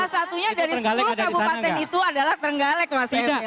dan salah satunya dari sepuluh kabupaten itu adalah trenggalek mas emil